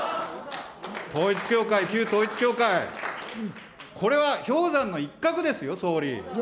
統一教会、旧統一教会、これは氷山の一角ですよ、総理。